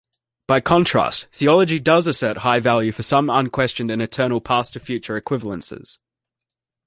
By contrast, theology does assert high value for some unquestioned and eternal past-to-future equivalences.